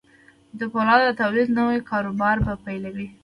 چې د پولادو د توليد نوي کاروبار به پيلوي.